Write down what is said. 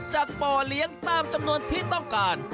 ป่อเลี้ยงตามจำนวนที่ต้องการ